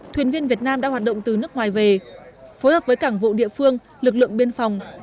thuyền viên việt nam đã hoạt động từ nước ngoài về phối hợp với cảng vụ địa phương lực lượng biên phòng